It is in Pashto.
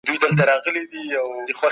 د مطالعې کلتور عام سوی و.